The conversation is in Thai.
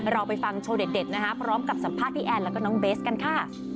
เราไปฟังโชว์เด็ดนะคะพร้อมกับสัมภาษณ์พี่แอนแล้วก็น้องเบสกันค่ะ